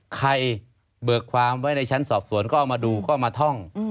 เบิกความไว้ในชั้นสอบสวนก็เอามาดูก็มาท่อง